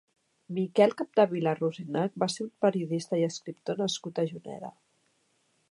Miquel Capdevila Rosinach va ser un periodista i escriptor nascut a Juneda.